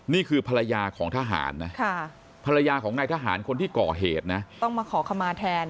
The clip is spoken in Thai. นี่คือภรรยาของทหารนะภรรยาของนายทหารคนที่ก่อเหตุนะต้องมาขอขมาแทน